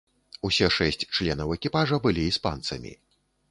Усе шэсць членаў экіпажа былі іспанцамі.